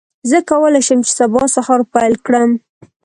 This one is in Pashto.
زه کولی شم چې سبا سهار پیل کړم.